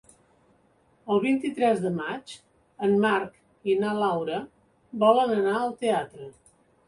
El vint-i-tres de maig en Marc i na Laura volen anar al teatre.